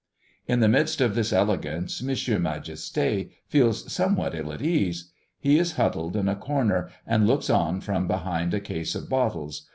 In the midst of all this elegance M. Majesté feels somewhat ill at ease. He is huddled in a corner, and looks on from behind a case of bottles.